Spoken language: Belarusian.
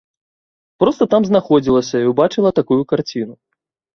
Проста там знаходзілася і ўбачыла такую карціну.